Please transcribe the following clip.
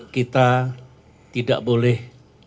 kita tidak boleh